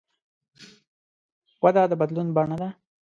وده د بدلون بڼه ده.